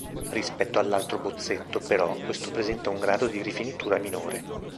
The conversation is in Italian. Rispetto all'altro bozzetto, però, questo presenta un grado di rifinitura minore.